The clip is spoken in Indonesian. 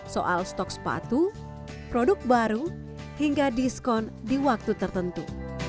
soal stok sepatu produk baru hingga diskon di waktu tertentu